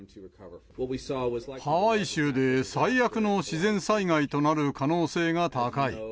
ハワイ州で最悪の自然災害となる可能性が高い。